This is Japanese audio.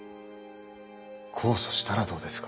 控訴したらどうですか？